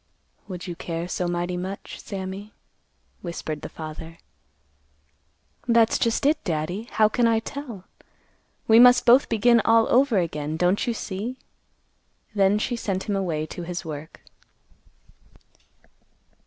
"Would you care so mighty much, Sammy?" whispered the father. "That's just it, Daddy. How can I tell? We must both begin all over again, don't you see?" Then she sent him away to his work.